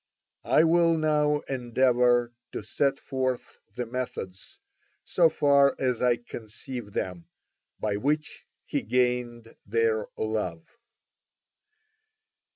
I will now endeavour to set forth the methods, so far as I conceive them, by which he gained their love.